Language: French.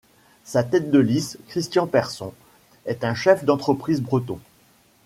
Sa tête de liste, Christian Person, est un chef d'entreprise breton.